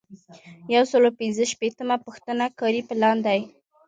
یو سل او پنځه شپیتمه پوښتنه کاري پلان دی.